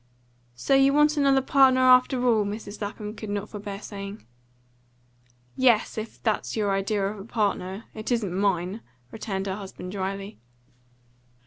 "So you want another partner after all?" Mrs. Lapham could not forbear saying. "Yes, if that's your idea of a partner. It isn't mine," returned her husband dryly.